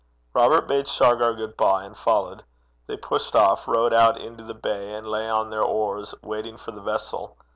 Robert bade Shargar good bye, and followed. They pushed off, rowed out into the bay, and lay on their oars waiting for the vessel.